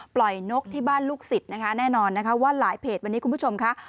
นกที่บ้านลูกศิษย์นะคะแน่นอนนะคะว่าหลายเพจวันนี้คุณผู้ชมค่ะ